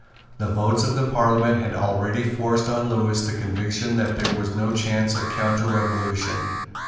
The votes of the Parliament had already forced on Lewis the conviction that there was no chance of a counterrevolution.